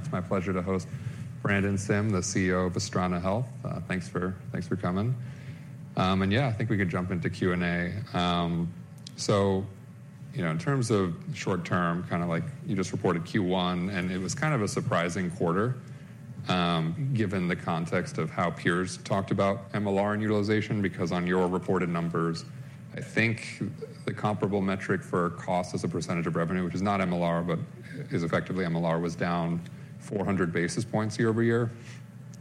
It's my pleasure to host Brandon Sim, the CEO of Astrana Health. Thanks for, thanks for coming. And yeah, I think we could jump into Q&A. So, you know, in terms of short term, kind of like you just reported Q1, and it was kind of a surprising quarter, given the context of how peers talked about MLR and utilization, because on your reported numbers, I think the comparable metric for cost as a percentage of revenue, which is not MLR, but is effectively MLR, was down 400 basis points year-over-year.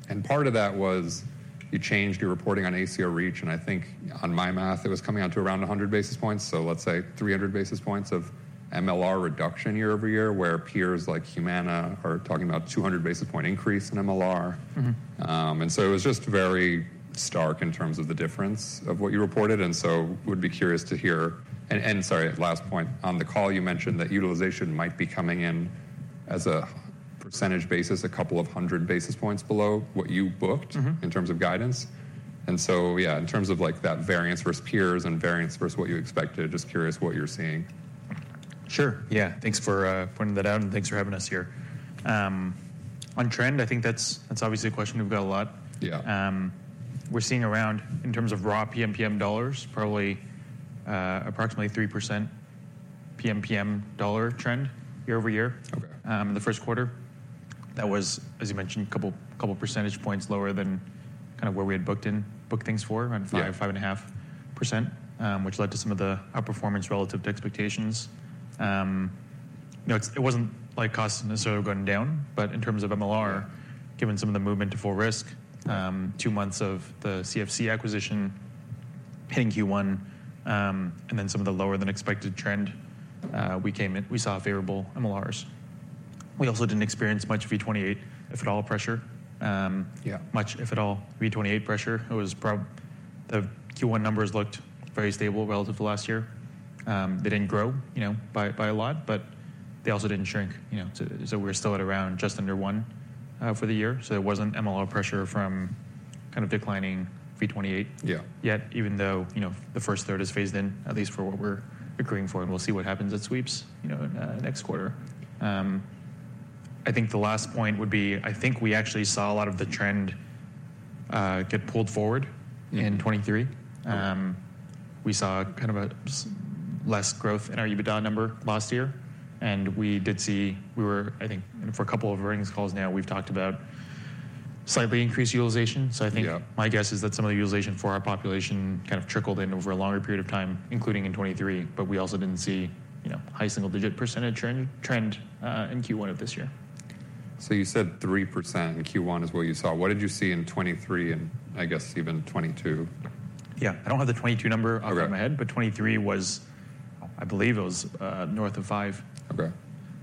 And part of that was you changed your reporting on ACO REACH, and I think on my math, it was coming out to around 100 basis points. Let's say 300 basis points of MLR reduction year-over-year, where peers like Humana are talking about 200 basis point increase in MLR. Mm-hmm. And so it was just very stark in terms of the difference of what you reported, and so would be curious to hear—and sorry, last point. On the call, you mentioned that utilization might be coming in as a percentage basis, 200 basis points below what you booked- Mm-hmm. in terms of guidance. So, yeah, in terms of like that variance versus peers and variance versus what you expected, just curious what you're seeing. Sure. Yeah, thanks for pointing that out, and thanks for having us here. On trend, I think that's, that's obviously a question we've got a lot. Yeah. We're seeing around, in terms of raw PMPM dollars, probably, approximately 3% PMPM dollar trend year-over-year. Okay. In the first quarter, that was, as you mentioned, a couple of percentage points lower than kind of where we had booked things for- Yeah. -around 5-5.5%, which led to some of the outperformance relative to expectations. You know, it, it wasn't like costs necessarily going down, but in terms of MLR- Yeah.... given some of the movement to full risk, two months of the CFC acquisition, hitting Q1, and then some of the lower than expected trend, we came in, we saw favorable MLRs. We also didn't experience much V28, if at all, pressure. Yeah. Much, if at all, V28 pressure. It was probably. The Q1 numbers looked very stable relative to last year. They didn't grow, you know, by, by a lot, but they also didn't shrink, you know. So, so we're still at around just under 1 for the year, so there wasn't MLR pressure from kind of declining V28- Yeah.... yet, even though, you know, the first third is phased in, at least for what we're agreeing for, and we'll see what happens at Sweeps, you know, next quarter. I think the last point would be, I think we actually saw a lot of the trend get pulled forward in 2023. Yeah. We saw kind of a less growth in our EBITDA number last year, and we did see we were, I think, for a couple of earnings calls now, we've talked about slightly increased utilization. Yeah. So I think my guess is that some of the utilization for our population kind of trickled in over a longer period of time, including in 2023, but we also didn't see, you know, high single-digit % trend in Q1 of this year. So you said 3% in Q1 is what you saw. What did you see in 2023 and I guess even 2022? Yeah. I don't have the 2022 number off the top of my head- Okay.... but 2023 was, I believe it was, north of five- Okay....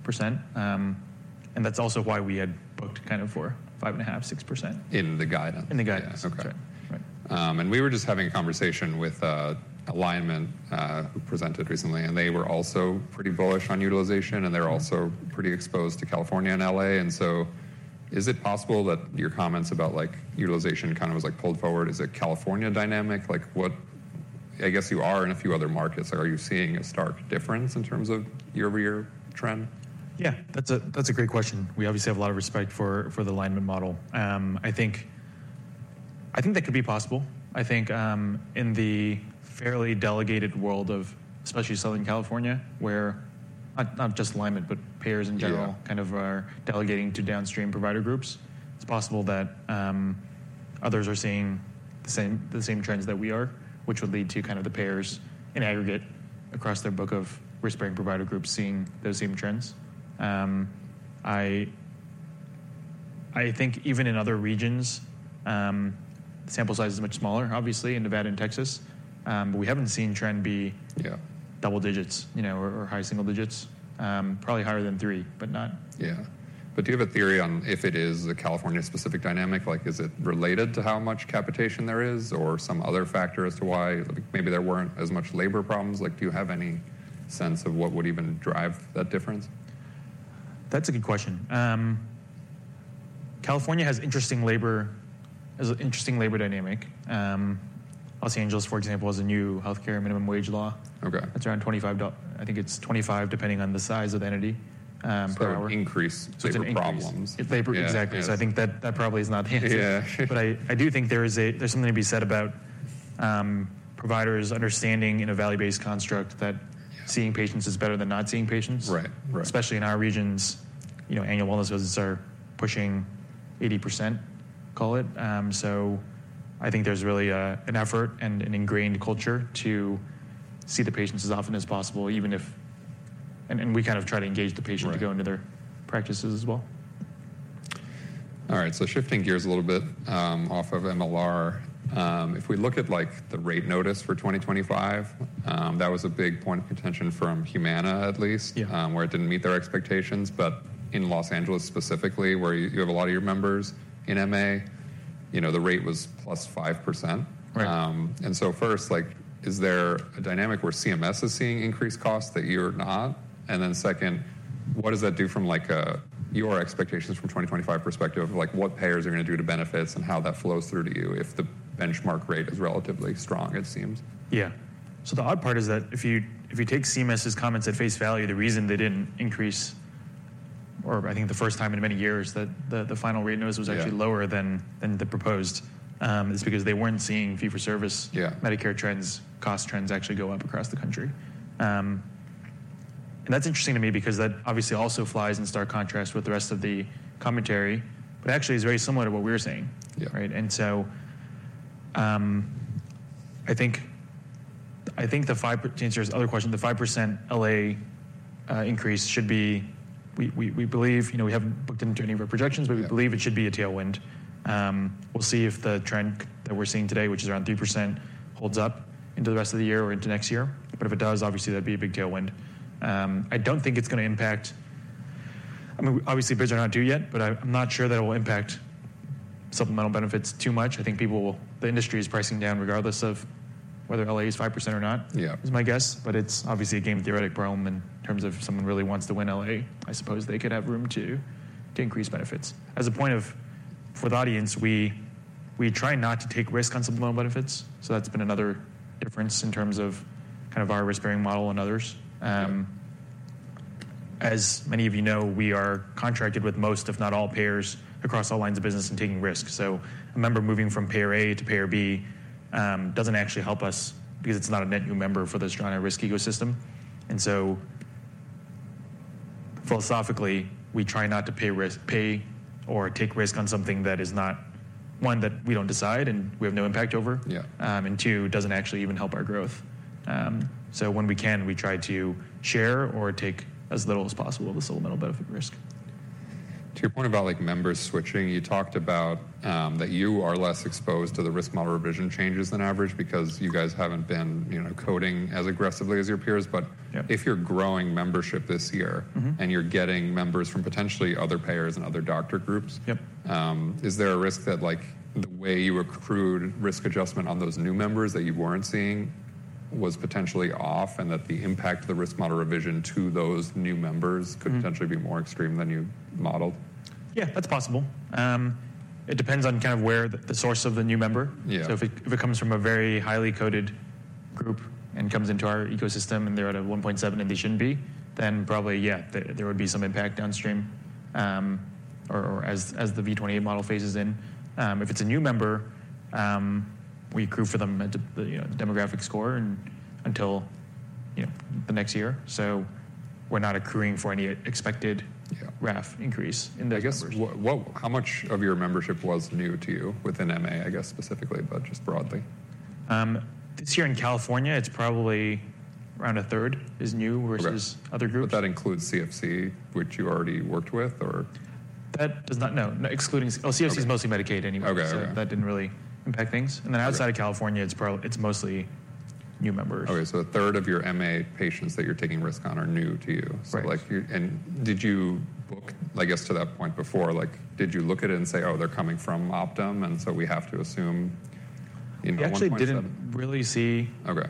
percent. And that's also why we had booked kind of for 5.5-6%. In the guidance? In the guidance. Yeah. Okay. Right. And we were just having a conversation with Alignment, who presented recently, and they were also pretty bullish on utilization, and they're also pretty exposed to California and L.A. So is it possible that your comments about like utilization kind of was like pulled forward? Is it California dynamic? Like what-- I guess you are in a few other markets. Are you seeing a stark difference in terms of year-over-year trend? Yeah, that's a great question. We obviously have a lot of respect for the Alignment model. I think that could be possible. I think in the fairly delegated world of especially Southern California, where not just Alignment, but payers in general- Yeah. ...kind of are delegating to downstream provider groups, it's possible that others are seeing the same, the same trends that we are, which would lead to kind of the payers in aggregate across their book of risk-bearing provider groups seeing those same trends. I think even in other regions, the sample size is much smaller, obviously, in Nevada and Texas, but we haven't seen trend be- Yeah.... double digits, you know, or high single digits. Probably higher than three, but not- Yeah. But do you have a theory on if it is a California-specific dynamic? Like, is it related to how much capitation there is or some other factor as to why maybe there weren't as much labor problems? Like, do you have any sense of what would even drive that difference? That's a good question. California has an interesting labor dynamic. Los Angeles, for example, has a new healthcare minimum wage law. Okay. It's around $25. I think it's $25, depending on the size of the entity, per hour. So, increase labor problems. It's an increase. Exactly. Yes. So I think that, that probably is not the answer. Yeah. But I, I do think there is a— there's something to be said about providers understanding in a value-based construct that- Yeah.... seeing patients is better than not seeing patients. Right. Right. Especially in our regions, you know, annual wellness visits are pushing 80%, call it. So I think there's really an effort and an ingrained culture to see the patients as often as possible, even if... And we kind of try to engage the patient- Right... to go into their practices as well. All right, so shifting gears a little bit, off of MLR. If we look at, like, the rate notice for 2025, that was a big point of contention from Humana, at least- Yeah.... where it didn't meet their expectations. But in Los Angeles, specifically, where you have a lot of your members in MA, you know, the rate was +5%. Right. And so first, like, is there a dynamic where CMS is seeing increased costs that you're not? And then second, what does that do from like, your expectations from 2025 perspective? Like, what payers are gonna do to benefits and how that flows through to you if the benchmark rate is relatively strong, it seems? Yeah. So the odd part is that if you take CMS's comments at face value, the reason they didn't increase, or I think the first time in many years, that the final rate notice was- Yeah. - actually lower than the proposed is because they weren't seeing fee-for-service Yeah. Medicare trends, cost trends, actually go up across the country. And that's interesting to me because that obviously also flies in stark contrast with the rest of the commentary, but actually is very similar to what we're saying. Yeah. Right? And so, I think the 5% L.A. increase should be, we believe, you know, we haven't booked into any of our projections- Yeah But we believe it should be a tailwind. We'll see if the trend that we're seeing today, which is around 3%, holds up into the rest of the year or into next year. But if it does, obviously, that'd be a big tailwind. I don't think it's gonna impact—I mean, obviously, bids are not due yet, but I'm not sure that it will impact supplemental benefits too much. I think people will—the industry is pricing down, regardless of whether L.A. is 5% or not. Yeah. is my guess, but it's obviously a game-theoretic problem in terms of if someone really wants to win L.A., I suppose they could have room to increase benefits. As a point of, for the audience, we try not to take risk on supplemental benefits, so that's been another difference in terms of kind of our risk-bearing model and others. Yeah. As many of you know, we are contracted with most, if not all, payers across all lines of business and taking risk. So a member moving from payer A to payer B doesn't actually help us because it's not a net new member for the Astrana risk ecosystem. And so, philosophically, we try not to pay or take risk on something that is not, one, that we don't decide and we have no impact over. Yeah. And two, doesn't actually even help our growth. So when we can, we try to share or take as little as possible of the supplemental benefit risk. To your point about, like, members switching, you talked about that you are less exposed to the risk model revision changes than average because you guys haven't been, you know, coding as aggressively as your peers. Yeah. But if you're growing membership this year- Mm-hmm and you're getting members from potentially other payers and other doctor groups. Yep.... is there a risk that, like, the way you accrued risk adjustment on those new members that you weren't seeing was potentially off, and that the impact of the risk model revision to those new members- Mm-hmm. Could potentially be more extreme than you modeled? Yeah, that's possible. It depends on kind of where the source of the new member. Yeah. So if it comes from a very highly coded group and comes into our ecosystem and they're at a 1.7, and they shouldn't be, then probably, yeah, there would be some impact downstream, or as the V28 model phases in. If it's a new member, we accrue for them at the, you know, demographic score and until, you know, the next year. So we're not accruing for any expected- Yeah. RAF increase in the membership. I guess, what, how much of your membership was new to you within MA, I guess, specifically, but just broadly? This year in California, it's probably around a third is new- Okay. versus other groups. But that includes CFC, which you already worked with, or? That does not, no. No, excluding... Oh, CFC is mostly Medicaid anyway. Okay. Okay. That didn't really impact things. Yeah. Outside of California, it's mostly new members. Okay, so a third of your MA patients that you're taking risk on are new to you. Right. So, like, did you book, I guess, to that point before, like, did you look at it and say: "Oh, they're coming from Optum, and so we have to assume, you know, 1.7? I actually didn't really see. Okay.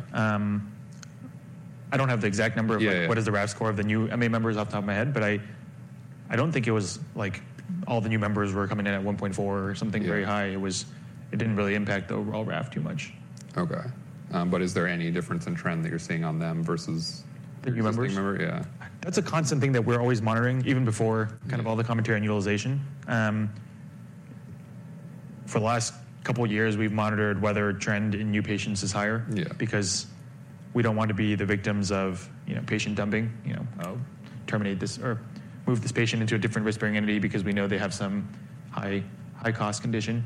I don't have the exact number of- Yeah, yeah. What is the RAF score of the new MA members off the top of my head, but I don't think it was like all the new members were coming in at 1.4 or something very high. Yeah. It didn't really impact the overall RAF too much. Okay. But is there any difference in trend that you're seeing on them versus- The new members? the existing member? Yeah. That's a constant thing that we're always monitoring, even before- Yeah. kind of all the commentary on utilization. For the last couple of years, we've monitored the trend in new patients is higher. Yeah. Because we don't want to be the victims of, you know, patient dumping. You know, oh, terminate this or move this patient into a different risk-bearing entity because we know they have some high, high-cost condition.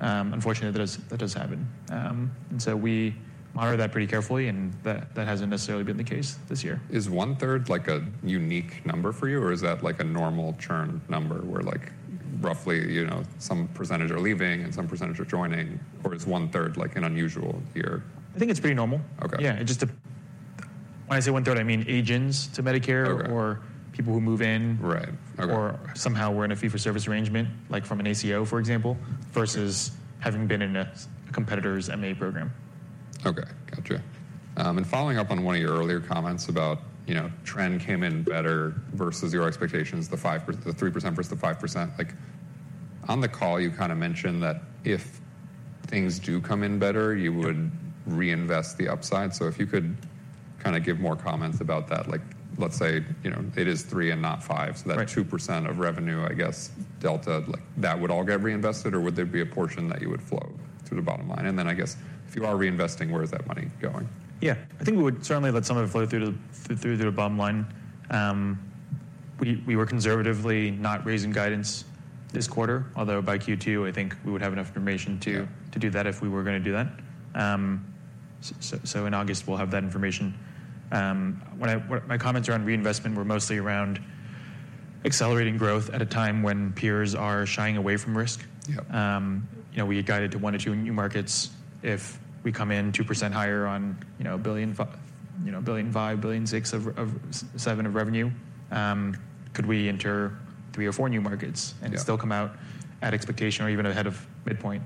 Unfortunately, that does, that does happen. And so we monitor that pretty carefully, and that, that hasn't necessarily been the case this year. Is one-third like a unique number for you, or is that like a normal churn number where like, roughly, you know, some percentage are leaving and some percentage are joining, or is one-third like an unusual year? I think it's pretty normal. Okay. Yeah, it just... When I say one-third, I mean age-ins to Medicare- Okay... or people who move in. Right. Okay. Or somehow we're in a fee-for-service arrangement, like from an ACO, for example, versus having been in a competitor's MA program. Okay, gotcha. And following up on one of your earlier comments about, you know, trend came in better versus your expectations, the 5%, the 3% versus the 5%. Like, on the call, you kind of mentioned that if things do come in better, you would reinvest the upside. So if you could kind of give more comments about that, like, let's say, you know, it is 3 and not 5. Right. So that 2% of revenue, I guess, delta, like, that would all get reinvested, or would there be a portion that you would flow to the bottom line? And then I guess, if you are reinvesting, where is that money going? Yeah. I think we would certainly let some of it flow through to the bottom line. We were conservatively not raising guidance this quarter, although by Q2, I think we would have enough information to- Yeah To do that if we were gonna do that. So in August, we'll have that information. When I, my comments around reinvestment were mostly around accelerating growth at a time when peers are shying away from risk. Yeah. You know, we had guided to 1 or 2 new markets. If we come in 2% higher on, you know, a billion, you know, $1.5 billion, $1.6 billion of $7 billion of revenue, could we enter 3 or 4 new markets? Yeah. and still come out at expectation or even ahead of midpoint,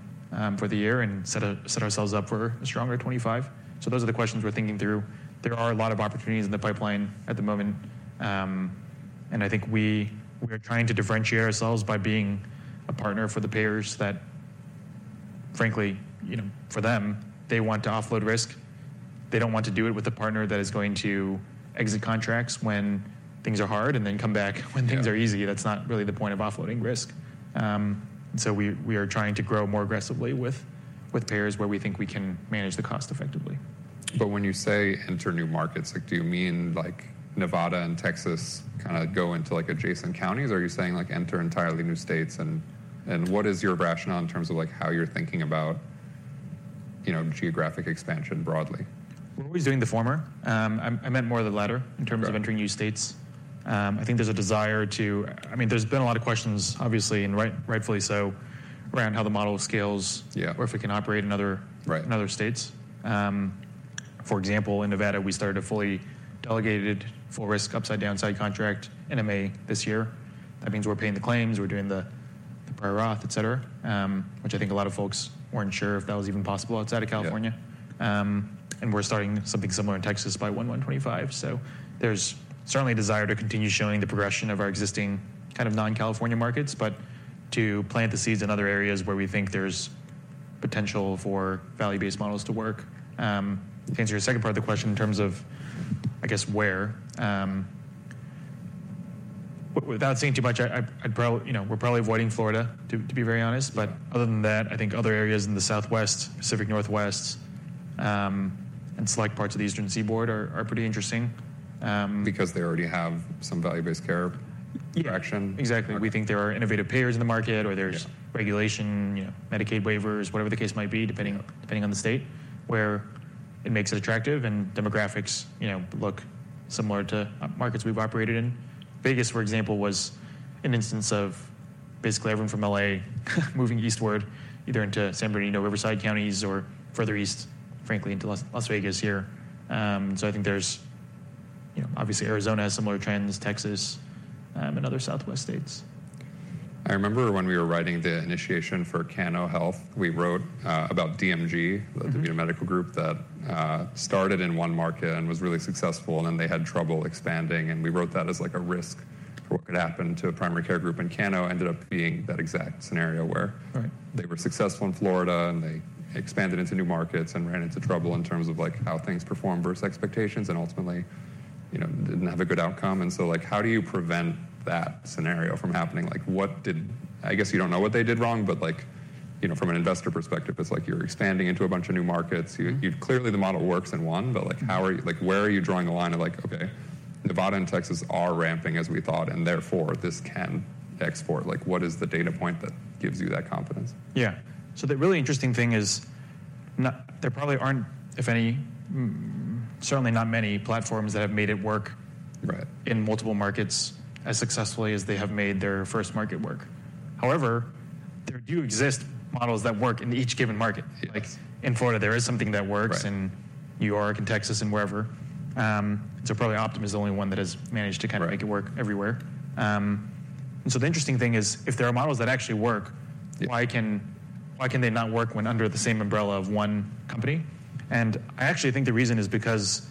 for the year and set ourselves up for a stronger 25? So those are the questions we're thinking through. There are a lot of opportunities in the pipeline at the moment, and I think we're trying to differentiate ourselves by being a partner for the payers that... frankly, you know, for them, they want to offload risk. They don't want to do it with a partner that is going to exit contracts when things are hard, and then come back when things are easy. Yeah. That's not really the point of offloading risk. We are trying to grow more aggressively with payers where we think we can manage the cost effectively. But when you say enter new markets, like do you mean like Nevada and Texas, kinda go into like adjacent counties, or are you saying like enter entirely new states? And, and what is your rationale in terms of like how you're thinking about, you know, geographic expansion broadly? We're always doing the former. I meant more of the latter- Got it.... in terms of entering new states. I think there's a desire to, I mean, there's been a lot of questions, obviously, and right, rightfully so, around how the model scales- Yeah.... or if we can operate in other- Right.... in other states. For example, in Nevada, we started a fully delegated, full risk, upside, downside contract in MA this year. That means we're paying the claims, we're doing the prior auth, et cetera, which I think a lot of folks weren't sure if that was even possible outside of California. Yeah. And we're starting something similar in Texas by 1/1/2025. So there's certainly a desire to continue showing the progression of our existing kind of non-California markets, but to plant the seeds in other areas where we think there's potential for value-based models to work. To answer your second part of the question in terms of, I guess, where, without saying too much, I, I'd probably you know, we're probably avoiding Florida, to be very honest. Yeah. But other than that, I think other areas in the Southwest, Pacific Northwest, and select parts of the Eastern Seaboard are pretty interesting. Because they already have some value-based care direction? Yeah, exactly. We think there are innovative payers in the market- Yeah.... or there's regulation, you know, Medicaid waivers, whatever the case might be, depending on the state, where it makes it attractive, and demographics, you know, look similar to markets we've operated in. Vegas, for example, was an instance of basically everyone from LA moving eastward, either into San Bernardino, Riverside counties, or further east, frankly, into Las Vegas here. So I think there's, you know, obviously, Arizona has similar trends, Texas, and other Southwest states. I remember when we were writing the initiation for Cano Health, we wrote, about DMG- Mm-hmm.... the DaVita Medical Group, that started in one market and was really successful, and then they had trouble expanding. We wrote that as like a risk for what could happen to a primary care group. Cano ended up being that exact scenario where- Right.... they were successful in Florida, and they expanded into new markets and ran into trouble in terms of, like, how things performed versus expectations, and ultimately, you know, didn't have a good outcome. So, like, how do you prevent that scenario from happening? Like, what did-- I guess you don't know what they did wrong, but like, you know, from an investor perspective, it's like you're expanding into a bunch of new markets. Mm-hmm. You've clearly, the model works in one, but like- Mm-hmm.... how are you, like, where are you drawing the line of like: Okay, Nevada and Texas are ramping as we thought, and therefore this can export. Like, what is the data point that gives you that confidence? Yeah. So the really interesting thing is, there probably aren't, if any, certainly not many platforms that have made it work- Right.... in multiple markets as successfully as they have made their first market work. However, there do exist models that work in each given market. Yes. Like in Florida, there is something that works- Right.... in New York, in Texas, and wherever. So probably Optum is the only one that has managed to kind of- Right.... make it work everywhere. And so the interesting thing is, if there are models that actually work- Yeah.... why can they not work when under the same umbrella of one company? And I actually think the reason is because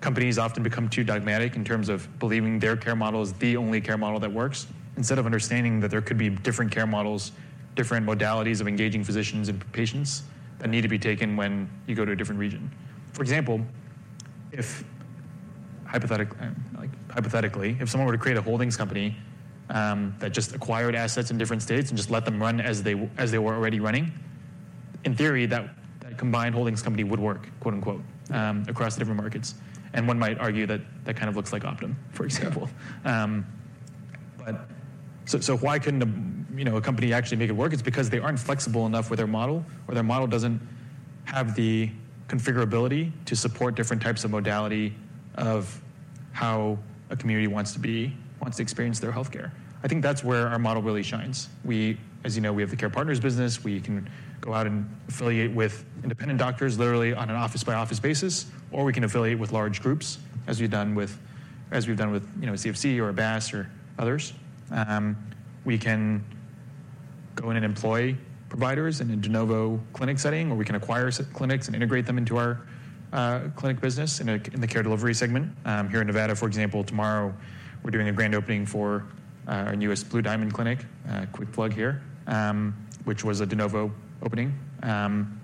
companies often become too dogmatic in terms of believing their care model is the only care model that works, instead of understanding that there could be different care models, different modalities of engaging physicians and patients that need to be taken when you go to a different region. For example, like hypothetically, if someone were to create a holdings company that just acquired assets in different states and just let them run as they were already running, in theory, that combined holdings company would work, quote, unquote, across the different markets. And one might argue that that kind of looks like Optum, for example. But so, so why couldn't a, you know, a company actually make it work? It's because they aren't flexible enough with their model, or their model doesn't have the configurability to support different types of modality of how a community wants to be, wants to experience their healthcare. I think that's where our model really shines. We, as you know, we have the Care Partners business. We can go out and affiliate with independent doctors, literally on an office-by-office basis, or we can affiliate with large groups, as we've done with, you know, CFC or BASS or others. We can go in and employ providers in a de novo clinic setting, or we can acquire clinics and integrate them into our clinic business in the Care Delivery segment. Here in Nevada, for example, tomorrow, we're doing a grand opening for our newest Blue Diamond clinic, quick plug here, which was a de novo opening. And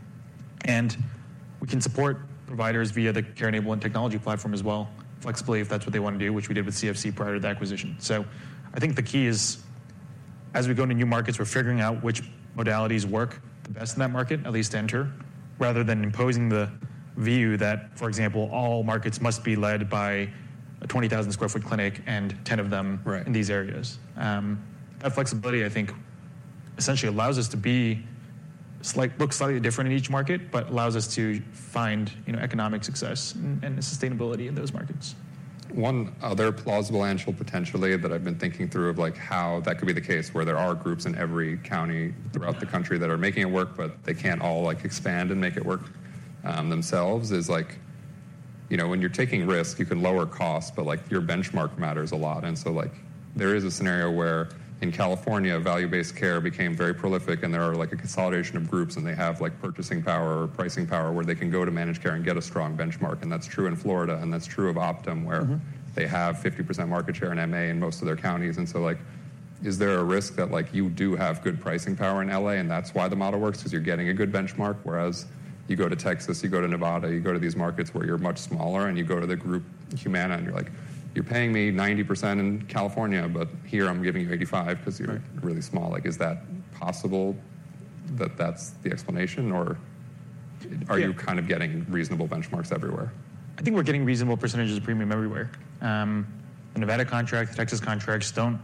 we can support providers via the CareEnable, our technology platform as well, flexibly, if that's what they want to do, which we did with CFC prior to the acquisition. So I think the key is, as we go into new markets, we're figuring out which modalities work the best in that market, at least to enter, rather than imposing the view that, for example, all markets must be led by a 20,000 sq ft clinic and 10 of them- Right.... in these areas. That flexibility, I think, essentially allows us to look slightly different in each market, but allows us to find, you know, economic success and, and sustainability in those markets. One other plausible angle, potentially, that I've been thinking through, of like how that could be the case, where there are groups in every county throughout the country that are making it work, but they can't all like expand and make it work themselves, is like, you know, when you're taking risk, you can lower costs, but like your benchmark matters a lot. And so like there is a scenario where in California, value-based care became very prevalent, and there are like a consolidation of groups, and they have like purchasing power or pricing power, where they can go to managed care and get a strong benchmark. And that's true in Florida, and that's true of Optum- Mm-hmm.... where they have 50% market share in MA in most of their counties. And so, like... Is there a risk that, like, you do have good pricing power in L.A., and that's why the model works, because you're getting a good benchmark? Whereas you go to Texas, you go to Nevada, you go to these markets where you're much smaller, and you go to the group Humana, and you're like: "You're paying me 90% in California, but here I'm giving you 85% because you're really small." Like, is that possible that that's the explanation, or are you kind of getting reasonable benchmarks everywhere? I think we're getting reasonable percentages of premium everywhere. The Nevada contracts, the Texas contracts don't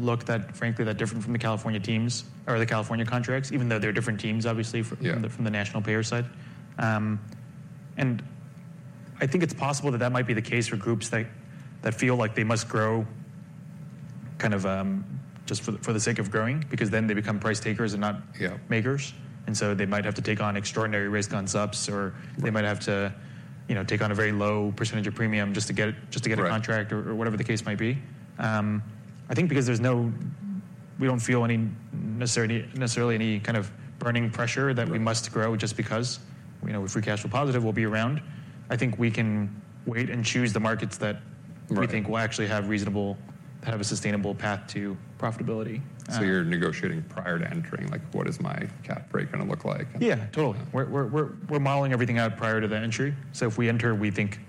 look that, frankly, that different from the California teams or the California contracts, even though they're different teams, obviously. Yeah.... from the national payer side. And I think it's possible that that might be the case for groups that feel like they must grow kind of just for the sake of growing, because then they become price takers and not- Yeah. makers, and so they might have to take on extraordinary risk on subs, or they might have to, you know, take on a very low percentage of premium just to get, just to get a contract. Right. or whatever the case might be. I think because we don't feel any necessarily any kind of burning pressure that we must grow just because, you know, we're free cash flow positive, we'll be around. I think we can wait and choose the markets that- Right. We think will actually have reasonable, a sustainable path to profitability. So you're negotiating prior to entering, like, what is my cap rate gonna look like? Yeah, totally. Yeah. We're modeling everything out prior to the entry. So if we enter, we think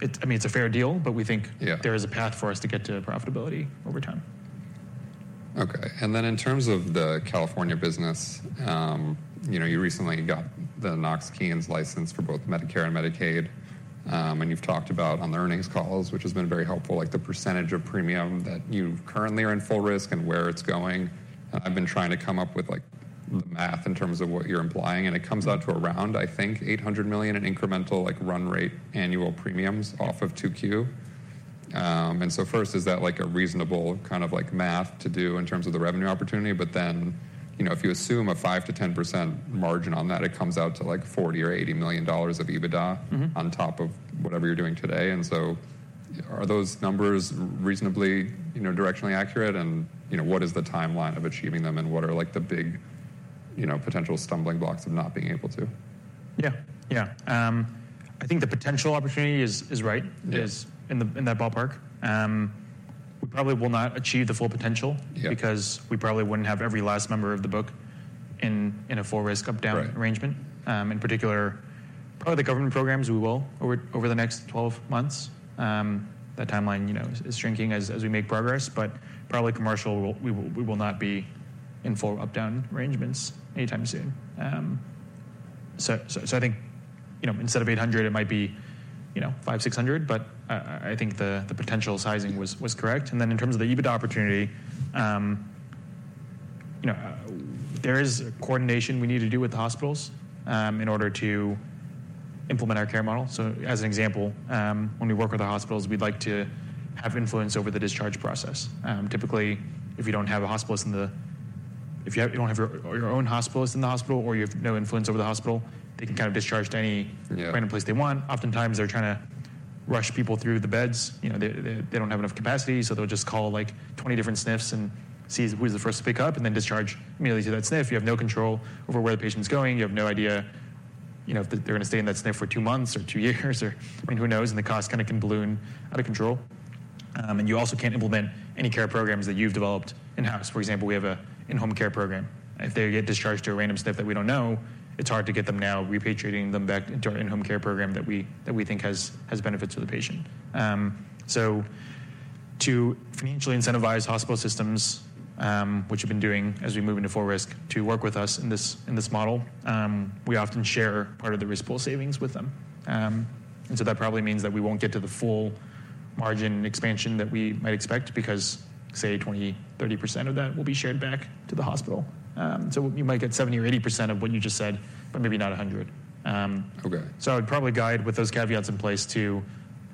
it's, I mean, it's a fair deal, but we think- Yeah. There is a path for us to get to profitability over time. Okay. And then in terms of the California business, you know, you recently got the Knox-Keene license for both Medicare and Medicaid. You've talked about on the earnings calls, which has been very helpful, like the percentage of premium that you currently are in full risk and where it's going. I've been trying to come up with, like, the math in terms of what you're implying, and it comes out to around, I think, $800 million in incremental, like, run rate annual premiums off of 2Q. So first, is that like a reasonable kind of like math to do in terms of the revenue opportunity? But then, you know, if you assume a 5%-10% margin on that, it comes out to like $40 million or $80 million of EBITDA- Mm-hmm. -on top of whatever you're doing today. And so are those numbers reasonably, you know, directionally accurate? And, you know, what is the timeline of achieving them, and what are like the big, you know, potential stumbling blocks of not being able to? Yeah, yeah. I think the potential opportunity is right. Yeah. Is in that ballpark. We probably will not achieve the full potential- Yeah. because we probably wouldn't have every last member of the book in a full risk up-down. Right. arrangement. In particular, part of the government programs, we will over the next 12 months. That timeline, you know, is shrinking as we make progress, but probably commercial, we will not be in full up-down arrangements anytime soon. So I think, you know, instead of 800, it might be, you know, 500-600, but I think the potential sizing was correct. And then in terms of the EBITDA opportunity, you know, there is coordination we need to do with the hospitals, in order to implement our care model. So as an example, when we work with the hospitals, we'd like to have influence over the discharge process. Typically, if you don't have your own hospitalist in the hospital, or you have no influence over the hospital, they can kind of discharge to any- Yeah. Random place they want. Oftentimes, they're trying to rush people through the beds. You know, they don't have enough capacity, so they'll just call, like, 20 different SNFs and see who's the first to pick up, and then discharge immediately to that SNF. You have no control over where the patient's going. You have no idea, you know, if they're gonna stay in that SNF for two months or two years, or who knows? And the cost kinda can balloon out of control. And you also can't implement any care programs that you've developed in-house. For example, we have an in-home care program. If they get discharged to a random SNF that we don't know, it's hard to get them now, repatriating them back into our in-home care program that we think has benefits to the patient. So to financially incentivize hospital systems, which we've been doing as we move into full risk to work with us in this, in this model, we often share part of the risk pool savings with them. And so that probably means that we won't get to the full margin expansion that we might expect because, say, 20-30% of that will be shared back to the hospital. So we might get 70 or 80% of what you just said, but maybe not 100%. Okay. So I'd probably guide with those caveats in place to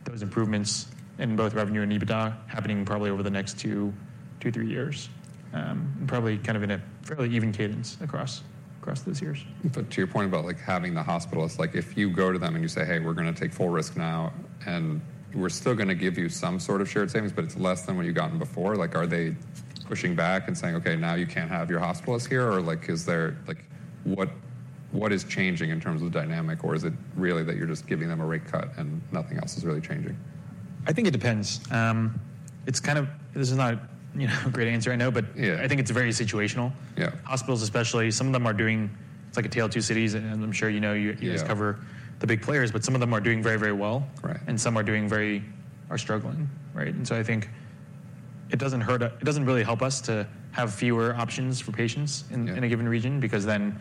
those improvements in both revenue and EBITDA happening probably over the next 2 to 3 years, and probably kind of in a fairly even cadence across those years. But to your point about, like, having the hospital, it's like if you go to them and you say, "Hey, we're gonna take full risk now, and we're still gonna give you some sort of shared savings, but it's less than what you've gotten before," like, are they pushing back and saying, "Okay, now you can't have your hospitalist here?" Or like, is there like... What is changing in terms of dynamic, or is it really that you're just giving them a rate cut and nothing else is really changing? I think it depends. It's kind of, this is not, you know, a great answer, I know- Yeah.... but I think it's very situational. Yeah. Hospitals, especially, some of them are doing. It's like a tale of two cities, and I'm sure you know, you- Yeah. You guys cover the big players, but some of them are doing very, very well. Right. And some are struggling, right? And so I think it doesn't hurt us—it doesn't really help us to have fewer options for patients- Yeah.... in a given region because then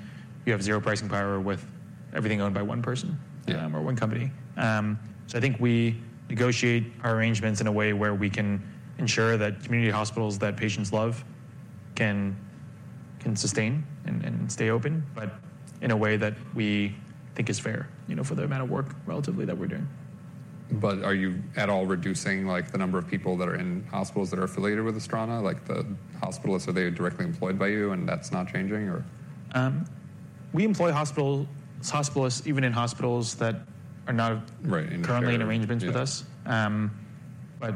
we have zero pricing power with everything owned by one person- Yeah. or one company. So I think we negotiate our arrangements in a way where we can ensure that community hospitals that patients love can sustain and stay open- Right. but in a way that we think is fair, you know, for the amount of work, relatively, that we're doing. But are you at all reducing, like, the number of people that are in hospitals that are affiliated with Astrana? Like, the hospitalists, are they directly employed by you, and that's not changing, or? We employ hospitalists, even in hospitals that are not- Right.... currently in arrangements with us. Yeah. But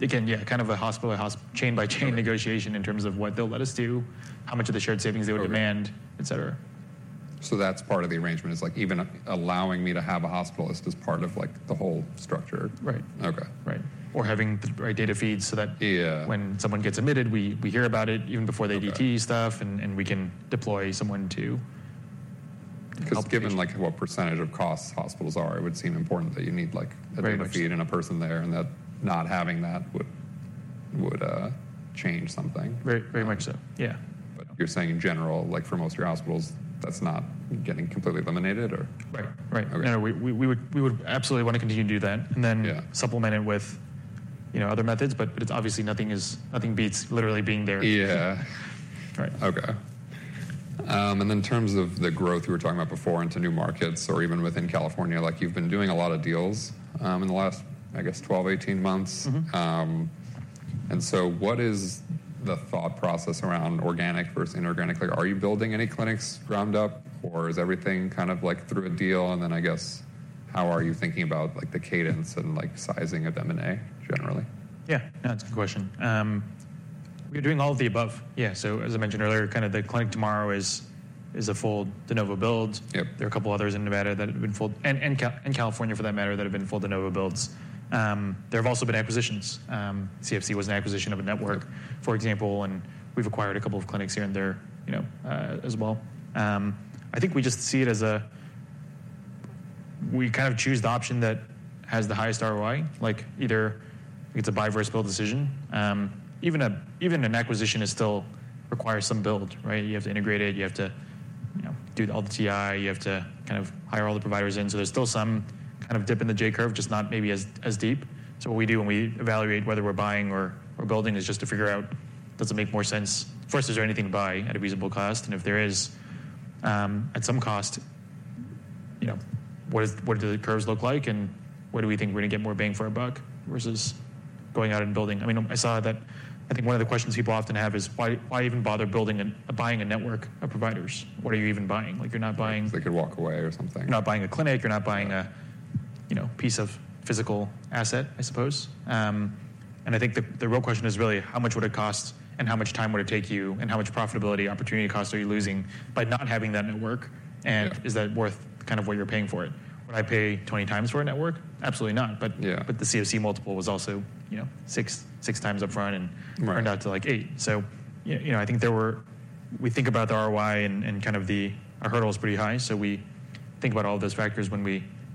again, yeah, kind of a hospital chain-by-chain negotiation. Right. in terms of what they'll let us do, how much of the shared savings they would demand Okay.... et cetera. ...So that's part of the arrangement, is like even allowing me to have a hospitalist as part of, like, the whole structure? Right. Okay. Right. Or having the right data feeds so that- Yeah. when someone gets admitted, we hear about it even before the- Okay.... ADT stuff, and we can deploy someone to help the patient. Because, given like what percentage of costs hospitals are, it would seem important that you need like- Very much. ...a feed and a person there, and that not having that would change something. Very, very much so. Yeah. But you're saying in general, like for most of your hospitals, that's not getting completely eliminated or? Right. Right. Okay. No, we would absolutely want to continue to do that- Yeah.... and then supplement it with, you know, other methods. But it's obviously nothing beats literally being there. Yeah. Right. Okay. And in terms of the growth you were talking about before into new markets or even within California, like you've been doing a lot of deals, in the last, I guess, 12-18 months. Mm-hmm. So what is the thought process around organic versus inorganic? Like, are you building any clinics ground up, or is everything kind of like through a deal? And then, I guess, how are you thinking about like the cadence and like sizing of M&A generally? Yeah, that's a good question. We're doing all of the above. Yeah, so as I mentioned earlier, kind of the clinic tomorrow is a full de novo build. Yep. There are a couple others in Nevada that have been built, and California, for that matter, that have been full de novo builds. There have also been acquisitions. CFC was an acquisition of a network- Yep.... for example, and we've acquired a couple of clinics here and there, you know, as well. I think we just see it as a we kind of choose the option that has the highest ROI. Like, either it's a buy versus build decision. Even an acquisition is still requires some build, right? You have to integrate it, you have to, you know, do all the TI, you have to kind of hire all the providers in. So there's still some kind of dip in the J-curve, just not maybe as deep. So what we do when we evaluate whether we're buying or building is just to figure out, does it make more sense? First, is there anything to buy at a reasonable cost? If there is, at some cost, you know, what do the curves look like, and where do we think we're gonna get more bang for our buck versus going out and building? I mean, I saw that. I think one of the questions people often have is, why even bother buying a network of providers? What are you even buying? Like, you're not buying- They could walk away or something. You're not buying a clinic. Yeah. You're not buying a, you know, piece of physical asset, I suppose. And I think the real question is really, how much would it cost and how much time would it take you, and how much profitability opportunity cost are you losing by not having that network? Yeah. Is that worth kind of what you're paying for it? Right. Would I pay 20 times for a network? Absolutely not. Yeah. But the CFC multiple was also, you know, 6x upfront, and- Right.... turned out to like 8. So, you know, we think about the ROI and kind of our hurdle is pretty high, so we think about all those factors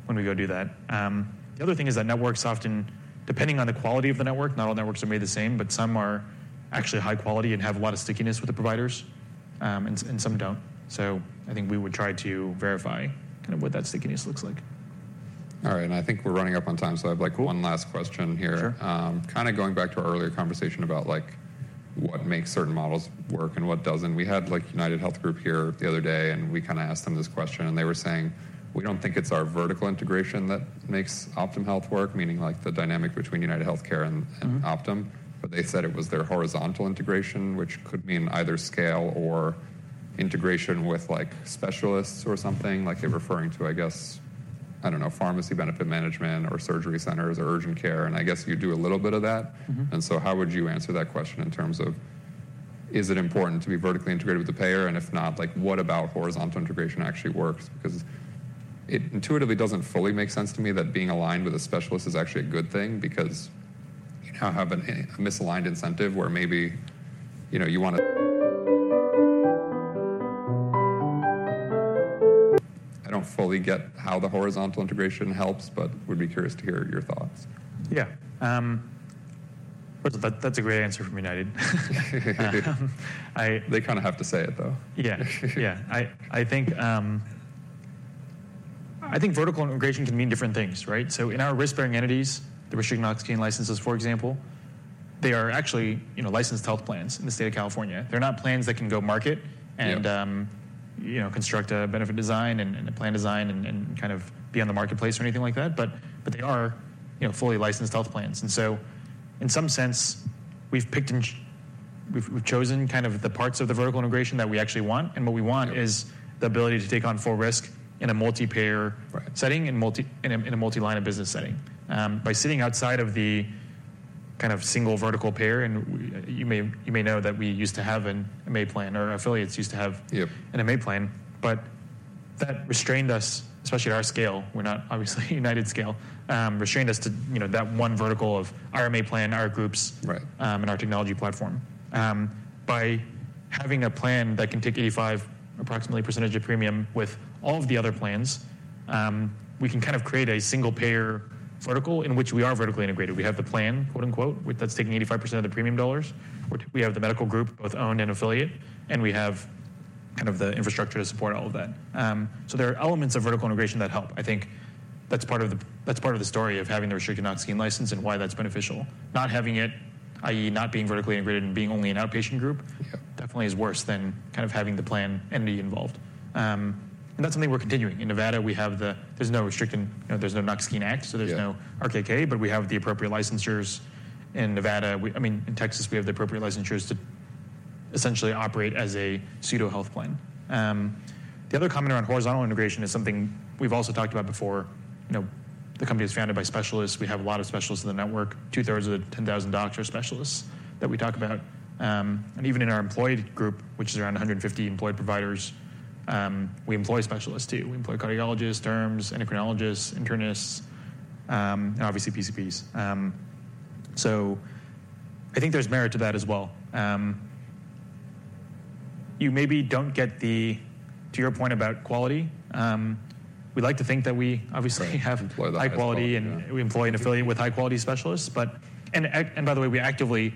when we go do that. The other thing is that networks often, depending on the quality of the network, not all networks are made the same, but some are actually high quality and have a lot of stickiness with the providers, and some don't. So I think we would try to verify kind of what that stickiness looks like. All right. I think we're running up on time, so I have like- Cool.... one last question here. Sure. Kinda going back to our earlier conversation about like, what makes certain models work and what doesn't. We had like UnitedHealth Group here the other day, and we kinda asked them this question, and they were saying: "We don't think it's our vertical integration that makes Optum Health work," meaning like the dynamic between UnitedHealthcare and- Mm-hmm.... and Optum. But they said it was their horizontal integration, which could mean either scale or integration with like specialists or something. Like they're referring to, I guess, I don't know, pharmacy benefit management or surgery centers or urgent care, and I guess you do a little bit of that. Mm-hmm. And so how would you answer that question in terms of, is it important to be vertically integrated with the payer? And if not, like, what about horizontal integration actually works? Because it intuitively doesn't fully make sense to me that being aligned with a specialist is actually a good thing because you now have a misaligned incentive where maybe, you know, you wanna... I don't fully get how the horizontal integration helps, but would be curious to hear your thoughts. Yeah, but that's a great answer from United. I- They kinda have to say it, though. Yeah. Yeah. I think vertical integration can mean different things, right? So in our risk-bearing entities, the restricted Knox-Keene licenses, for example, they are actually, you know, licensed health plans in the state of California. They're not plans that can go market- Yep.... and, you know, construct a benefit design and a plan design and kind of be on the marketplace or anything like that, but they are, you know, fully licensed health plans. And so in some sense, we've picked and chosen kind of the parts of the vertical integration that we actually want. Yep. What we want is the ability to take on full risk in a multi-payer- Right.... setting, in a multi-line of business setting. By sitting outside of the kind of single vertical payer, and you may know that we used to have an MA plan, or our affiliates used to have- Yep.... an MA plan, but that restrained us, especially at our scale. We're not obviously United scale, restrained us to, you know, that one vertical of our MA plan, our groups- Right.... and our technology platform. By having a plan that can take approximately 85% of premium with all of the other plans, we can kind of create a single-payer vertical in which we are vertically integrated. We have the "plan," quote, unquote, which that's taking 85% of the premium dollars. Yep. We have the medical group, both owned and affiliate, and we have kind of the infrastructure to support all of that. So there are elements of vertical integration that help. I think that's part of the, that's part of the story of having the restricted Knox-Keene license and why that's beneficial. Not having it, i.e., not being vertically integrated and being only an outpatient group- Yep.... definitely is worse than kind of having the plan entity involved. And that's something we're continuing. In Nevada, we have the—there's no restricted, you know, there's no Knox-Keene Act- Yeah.... so there's no RKK, but we have the appropriate licenses. In Nevada, we-- I mean, in Texas, we have the appropriate licenses to essentially operate as a pseudo-health plan. The other comment around horizontal integration is something we've also talked about before, you know. The company is founded by specialists. We have a lot of specialists in the network. Two-thirds of the 10,000 doctors are specialists that we talk about. And even in our employed group, which is around 150 employed providers, we employ specialists, too. We employ cardiologists, derms, endocrinologists, internists, and obviously, PCPs. So I think there's merit to that as well. You maybe don't get the-- to your point about quality, we like to think that we obviously have- Employ the high quality, yeah. -high quality, and we employ and affiliate with high-quality specialists. But, by the way, we actively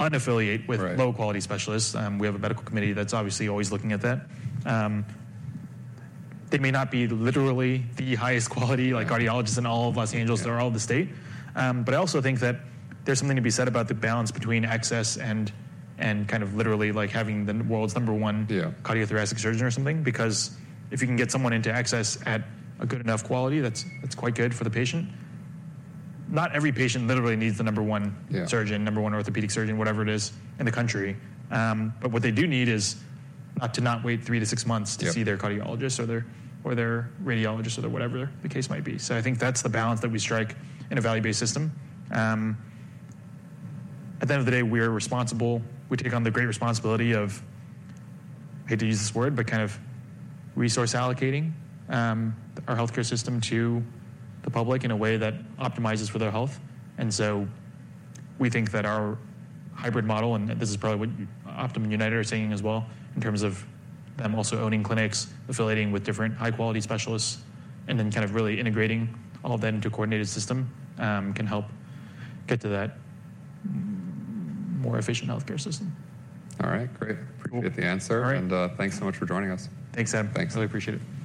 unaffiliate with- Right. low-quality specialists. We have a medical committee that's obviously always looking at that. They may not be literally the highest quality, like cardiologists in all of Los Angeles or all of the state. But I also think that there's something to be said about the balance between access and, and kind of literally like having the world's number one- Yeah. -cardiothoracic surgeon or something, because if you can get someone into access at a good enough quality, that's, that's quite good for the patient. Not every patient literally needs the number one- Yeah. -surgeon, No. 1 orthopedic surgeon, whatever it is, in the country. But what they do need is not to not wait 3-6 months- Yeah. -to see their cardiologist or their, or their radiologist or whatever the case might be. So I think that's the balance that we strike in a value-based system. At the end of the day, we are responsible. We take on the great responsibility of, I hate to use this word, but kind of resource allocating, our healthcare system to the public in a way that optimizes for their health. And so we think that our hybrid model, and this is probably what Optum United are saying as well, in terms of them also owning clinics, affiliating with different high-quality specialists, and then kind of really integrating all of that into a coordinated system, can help get to that more efficient healthcare system. All right, great. Appreciate the answer. All right. Thanks so much for joining us. Thanks, Sam. Thanks. I really appreciate it. Appreciate it.